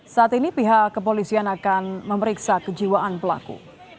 saat ini pihak kepolisian akan memeriksa kejiwaan pelaku